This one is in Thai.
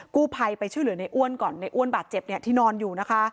กู้ภัยไปช่วยเหลือในอ้วนก่อนในอ้วนบาดเจ็บเนี่ยที่นอนอยู่นะคะ